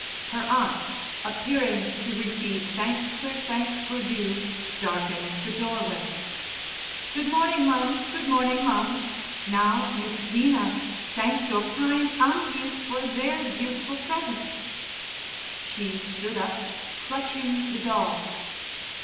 Her aunts, appearing to receive thanks where thanks were due, darkened the doorway. "Good morning, mum. Good morning, mum. Now, Miss 'Lina, thank your kind aunties for their beautiful presents." She stood up, clutching the doll.